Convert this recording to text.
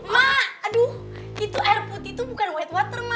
mak aduh itu air putih itu bukan white water ma